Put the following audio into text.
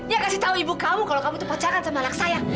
ya kasih tahu ibu kamu kalau kamu itu pacaran sama anak saya